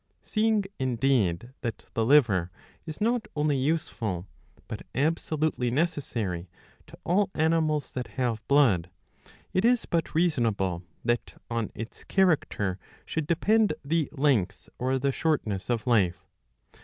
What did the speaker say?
Seeing, indeed, that the liver is not only useful, but absolutely necessary, to all animals that have blood, it is but reasonable that on its character should depend the length or the shortness of life.